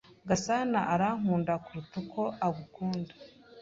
Gasana arankunda kuruta uko agukunda.